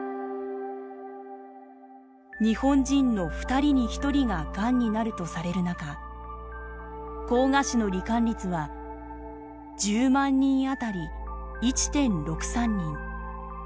日本人の２人に１人ががんになるとされるなか膠芽腫の罹患率は１０万人当たり１．６３人。